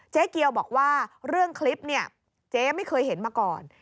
เจ๊เกียวบอกว่าเรื่องคลิปเนี่ยเจ๊ไม่เคยเห็นมาก่อน